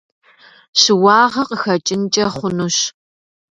Щыуагъэ къыхэкӏынкӏэ хъунущ.